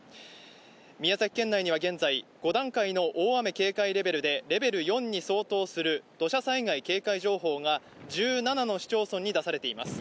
宮崎県内では現在、５段階の大雨警戒レベルでレベル４に相当する土砂災害警戒情報が１７の市町村に出されています。